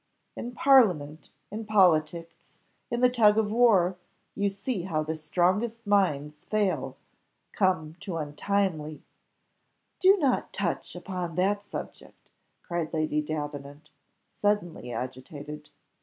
In parliament, in politics, in the tug of war you see how the strongest minds fail, come to untimely " "Do not touch upon that subject," cried Lady Davenant, suddenly agitated.